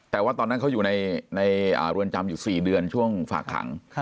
แต่ว่าตอนนั้นเขาอยู่ในเรือนจำอยู่๔เดือนช่วงฝากขัง